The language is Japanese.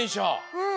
うん。